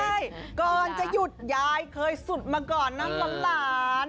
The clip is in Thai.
ใช่ก่อนจะหยุดยายเคยสุดมาก่อนน้ำหลาน